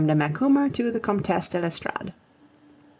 DE MACUMER TO THE COMTESSE DE L'ESTORADE 1829.